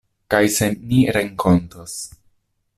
Kaj se ni renkontos.